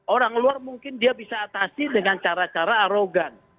orang luar mungkin dia bisa atasi dengan cara cara arogan